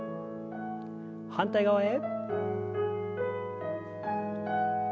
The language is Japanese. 反対側へ。